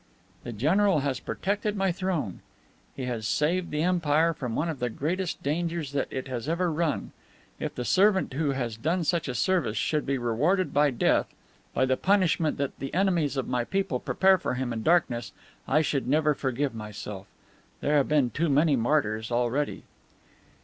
"The general has protected my throne. He has saved the Empire from one of the greatest dangers that it has ever run. If the servant who has done such a service should be rewarded by death, by the punishment that the enemies of my people prepare for him in the darkness, I should never forgive myself. There have been too many martyrs already!"